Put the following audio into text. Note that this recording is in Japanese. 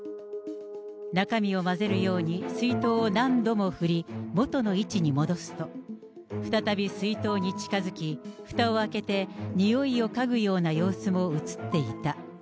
中身を混ぜるように水筒を何度も振り、元の位置に戻すと、再び水筒に近づき、ふたを開けて、臭いを嗅ぐような様子も写っていた。